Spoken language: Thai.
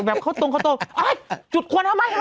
เขาตรงจุดควรทำไมฮะ